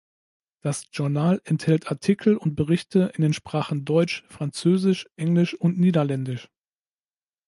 Das Journal enthält Artikel und Berichte in den Sprachen deutsch, französisch, englisch und niederländisch.